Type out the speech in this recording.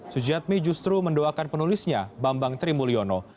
sujiatmi justru mendoakan penulisnya bambang trimulyono